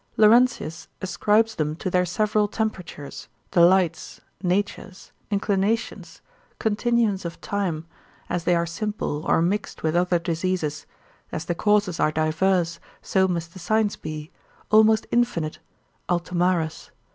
Laurentius ascribes them to their several temperatures, delights, natures, inclinations, continuance of time, as they are simple or mixed with other diseases, as the causes are divers, so must the signs be, almost infinite, Altomarus cap.